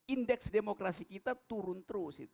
indeks demokrasi kita turun terus